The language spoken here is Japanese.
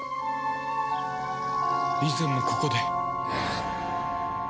以前もここで